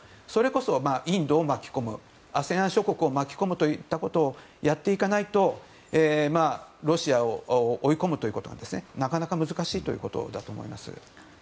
それこそインドを巻き込むアセアン諸国を巻き込むことをやっていかないとロシアを追い込むということはなかなか難しいということだと思います。